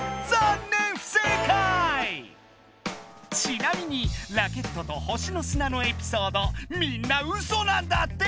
ちなみにラケットと星の砂のエピソードみんなうそなんだって！